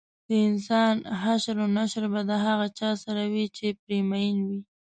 دانسان حشر او نشر به د هغه چا سره وي چې پرې مین وي